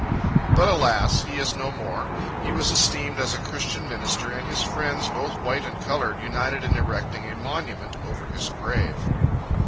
But alas, he is no more! He was esteemed as a christian minister, and his friends, both white and colored, united in erecting a monument over his grave.